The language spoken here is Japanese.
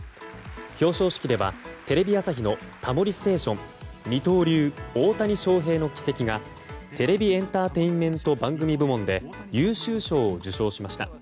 表彰式ではテレビ朝日の「タモリステーション二刀流大谷翔平の軌跡」がテレビエンターテインメント番組部門で優秀賞を受賞しました。